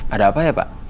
ada apa ya pak